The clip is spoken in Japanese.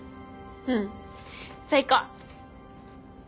うん最高。